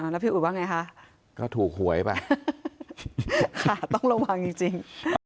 แล้วพี่อุ๋ยว่าไงคะก็ถูกหวยไปค่ะต้องระวังจริง